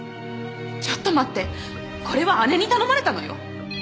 ちょっと待ってこれは姉に頼まれたのよ？